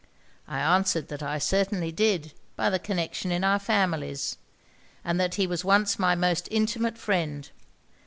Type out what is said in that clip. I answered that I certainly did, by the connection in our families; and that he was once my most intimate friend.